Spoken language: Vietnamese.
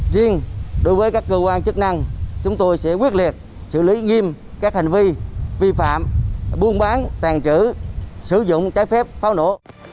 riêng đối với các cơ quan chức năng chúng tôi sẽ quyết liệt xử lý nghiêm các hành vi vi phạm buôn bán tàn trữ sử dụng trái phép pháo nổ